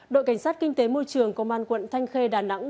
đội cảnh sát kinh tế môi trường công an quận thanh khê đà nẵng